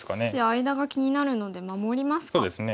少し間が気になるので守りますか。